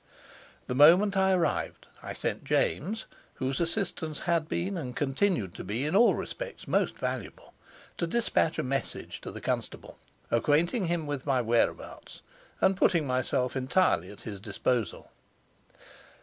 The moment I had arrived, I sent James, whose assistance had been, and continued to be, in all respects most valuable, to despatch a message to the constable, acquainting him with my whereabouts, and putting myself entirely at his disposal.